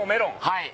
はい。